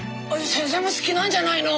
先生も好きなんじゃないの？